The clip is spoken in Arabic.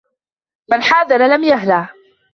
مَنْ حَاذَرَ لَمْ يَهْلَعْ